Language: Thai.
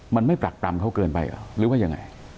มันไม่ปรักปรำเขาเกินไปเหรอหรือว่ายังไง